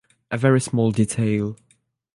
A very small detail.